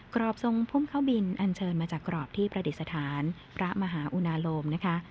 กรอบทรงพุ่มเข้าบินอันเชิญมาจากกรอบที่ประดิษฐานพระมหาอุณาโลมนะคะ